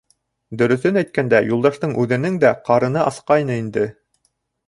Дөрөҫөн әйткәндә, Юлдаштың үҙенең дә ҡарыны асҡайны инде.